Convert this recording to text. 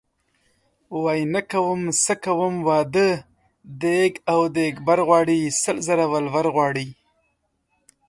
وايي نه کومه څه کوم واده دیګ او دیګبر غواړي سل زره ولور غواړي .